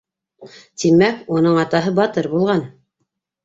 Тимәк, уның атаһы батыр булған!